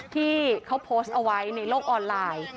ที่เขาโพสต์เอาไว้ในโลกออนไลน์